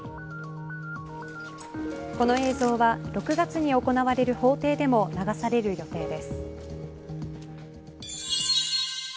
この映像は６月に行われる法廷でも流される予定です。